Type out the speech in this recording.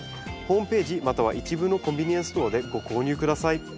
ホームページまたは一部のコンビニエンスストアでご購入下さい。